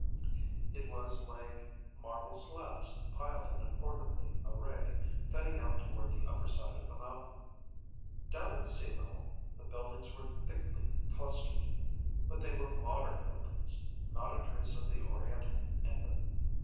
It was like marble slabs piled in an orderly array, thinning out toward the upper side of the mountain. Down at sea level, the buildings were thickly clustered. But they were modern buildings, not a trace of the oriental in them.